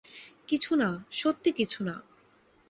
কিছুনা, সত্যি কিছুনা।